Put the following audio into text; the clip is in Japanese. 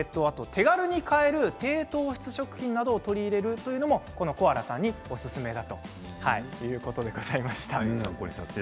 手軽に買える低糖質食品などを取り入れるというのもコアラさんにおすすめだということでございました。